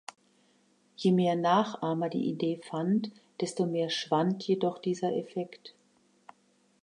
Je mehr Nachahmer die Idee fand, desto mehr schwand jedoch dieser Effekt.